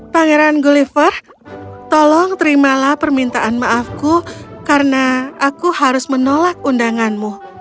pangeran gulliver tolong terimalah permintaan maafku karena aku harus menolak undanganmu